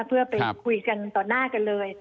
เพื่อไปคุยกันต่อหน้ากันเลย